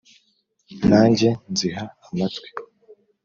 Nanjye nziha amatwi